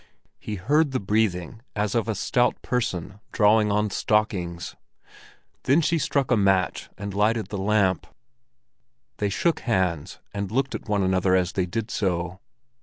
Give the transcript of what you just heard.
He heard the breathing as of a stout person drawing on stockings. Then she struck a match and lighted the lamp. They shook hands, and looked at one another as they did so.